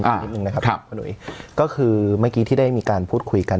อ่านเห็นนึงนะครับครับมาหนุ้ยก็คือเมื่อกี้ที่ได้มีการพูดคุยกัน